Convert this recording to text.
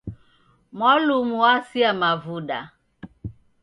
Mwalumu wasia mavuda.